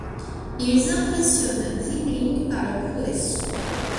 Ils impressionnent Xing Ling par leurs prouesses.